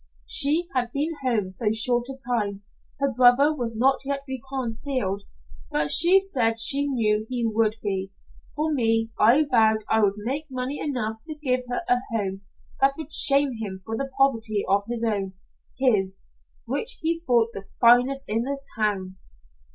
She had been home so short a time her brother was not yet reconciled, but she said she knew he would be. For me, I vowed I would make money enough to give her a home that would shame him for the poverty of his own his, which he thought the finest in the town."